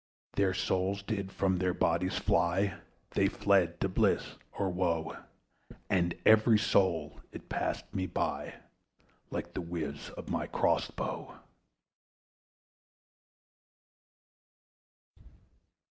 The souls did from their bodies fly, They fled to bliss or woe! And every soul, it passed me by, Like the whizz of my CROSS BOW!